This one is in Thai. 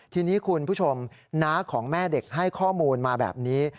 ทีนี้คุณผู้ชมน้าของแม่เด็กให้ข้อมูลมาแบบนี้